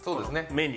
目に。